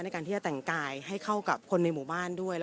ในการที่จะแต่งกายให้เข้ากับคนในหมู่บ้านด้วย